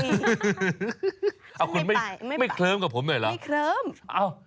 ขอบคุณไม่เคลิ้มกับผมหน่อยหรือ